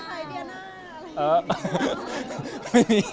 มีใครเดียนหน้าอะไรอย่างนี้